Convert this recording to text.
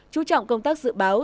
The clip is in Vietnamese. chú trọng công tác dự báo